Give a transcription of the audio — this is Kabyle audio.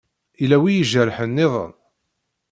Yella wi ijerḥen nniḍen?